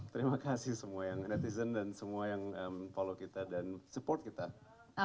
terima kasih semua yang netizen dan semua yang follow kita dan support kita